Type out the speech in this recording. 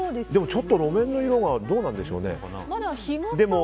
ちょっと路面の色がどうなんでしょうね。